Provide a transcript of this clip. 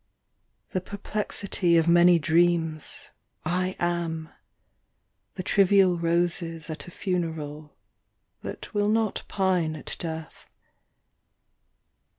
The perplexity of many dreams, I am, The trivial roses at a funeral That will not pine at death.